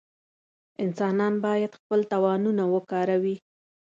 انسانان باید خپل توانونه وکاروي.